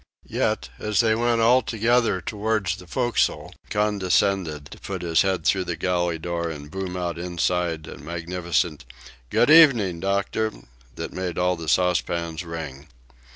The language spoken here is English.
Yet, as they went all together towards the forecastle, he condescended to put his head through the galley door and boom out inside a magnificent "Good evening, doctor!" that made all the saucepans ring.